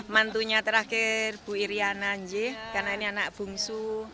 mantunya terakhir ibu iryana karena ini anak bungsu